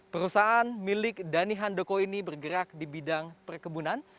perusahaan milik dhani handoko ini bergerak di bidang perkebunan